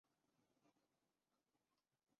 اندرا گاندھی اور مجیب الر حمن کا بھی پوچھ لینا